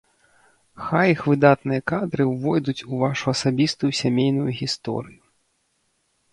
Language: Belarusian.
Хай іх выдатныя кадры увойдуць у вашу асабістую сямейную гісторыю!